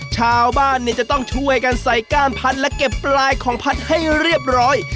ชาวบ้านเนี่ยจะต้องช่วยกันใส่ก้านพัดและเก็บปลายของพัดให้เรียบร้อย